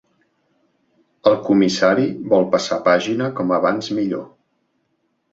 El comissari vol passar pàgina com abans millor.